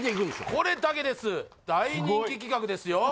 これだけです大人気企画ですよ